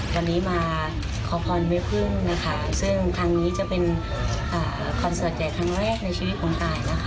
วันนี้มาขอพรแม่พึ่งนะคะซึ่งครั้งนี้จะเป็นคอนเสิร์ตใหญ่ครั้งแรกในชีวิตของตายนะคะ